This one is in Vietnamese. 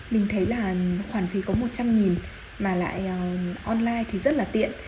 mình thấy là khoản phí có một trăm linh mà lại online thì rất là tiện